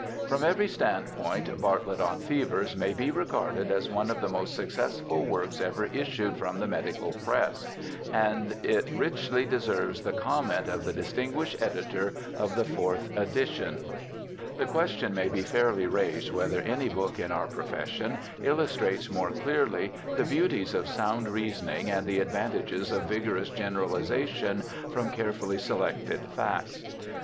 From every standpoint Bartlett on Fevers may be regarded as one of the most successful works ever issued from the medical press, and it richly deserves the comment of the distinguished editor of the fourth edition :' The question may be fairly raised whether any book in our profession illustrates more clearly the beauties of sound reasoning and the advantages of vigorous generalization from carefully selected Tacts.